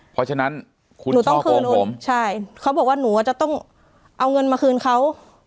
เพราะฉะนั้นคุณหนูต้องคืนใช่เขาบอกว่าหนูจะต้องเอาเงินมาคืนเขา